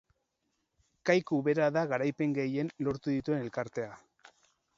Kaiku bera da garaipen gehien lortu dituen elkartea.